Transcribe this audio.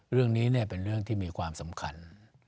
เรื่องนี้เป็นเรื่องที่มีความสำคัญ